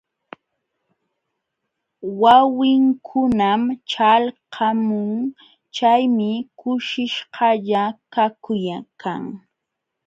Wawinkunam ćhalqamun, chaymi kushishqalla kakuykan.